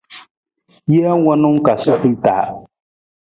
Jee wanung ka sukul taa.